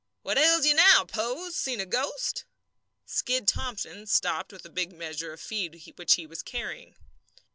"What ails you now, Pose? Seen a ghost?" "Skid" Thomson stopped with the big measure of feed which he was carrying.